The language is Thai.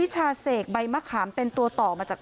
เป็นพระรูปนี้เหมือนเคี้ยวเหมือนกำลังทำปากขมิบท่องกระถาอะไรสักอย่าง